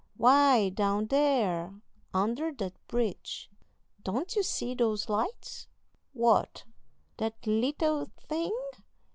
"Why, down there, under that bridge; don't you see those lights?" "What, that little thing!"